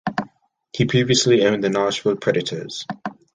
He previously owned the Nashville Predators.